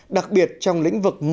đặc biệt trong lĩnh vực